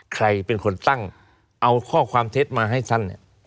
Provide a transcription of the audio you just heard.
ใครเป็นคนตั้งเอาข้อความเท็จมาให้ท่านเนี่ย